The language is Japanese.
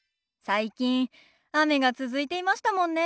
最近雨が続いていましたもんね。